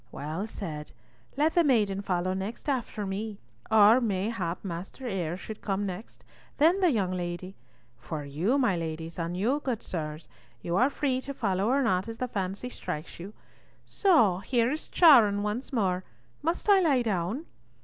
"Well said. Let the maiden follow next after me. Or mayhap Master Eyre should come next, then the young lady. For you, my ladies, and you, good sirs, you are free to follow or not, as the fancy strikes you. So—here is Charon once more—must I lie down?"